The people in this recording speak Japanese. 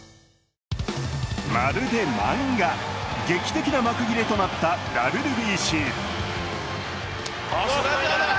まるでマンガ、劇的な幕切れとなったＷＢＣ。